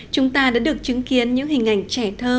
chúng ta đã được chứng kiến những hình ảnh trẻ thơ